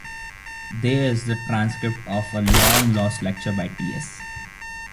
There's the transcript of a long-lost lecture by T. S.